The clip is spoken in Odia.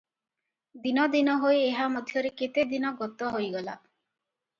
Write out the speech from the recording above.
ଦିନ ଦିନ ହୋଇ ଏହାମଧ୍ୟରେ କେତେଦିନ ଗତ ହୋଇଗଲା ।